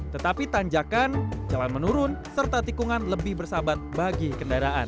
tetapi tanjakan jalan menurun serta tikungan lebih bersahabat bagi kendaraan